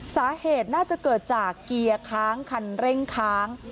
สาเหตุน่าจะเกิดจากเกียร์ค้างคันเร่งค้าง